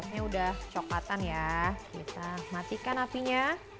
ini udah coklatan ya kita matikan apinya